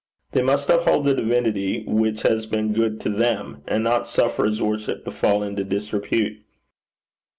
They must uphold the Divinity which has been good to them, and not suffer his worship to fall into disrepute.'